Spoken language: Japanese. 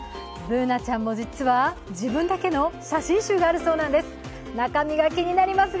Ｂｏｏｎａちゃんも実は、自分だけの写真集があるそうです。